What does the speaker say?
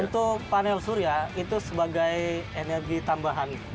untuk panel surya itu sebagai energi tambahan